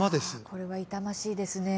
これは痛ましいですね。